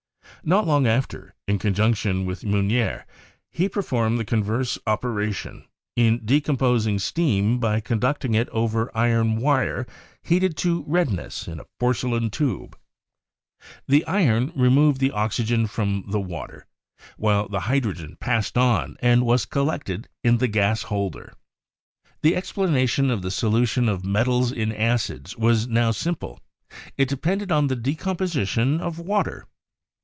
Not long after, in conjunc tion with Meunier, he performed the converse operation, in decomposing steam by conducting it over iron wire heated to redness in a porcelain tube. The iron removed LAVOISIER 159 the oxygen from the water, while the hydrogen passed on and was collected in the gas holder. The explanation of the solution of metals in acids was now simple : it depended on the decomposition of water.